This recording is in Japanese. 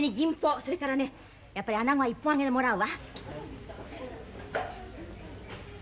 それからねやっぱりアナゴは一本揚げでもらうわ。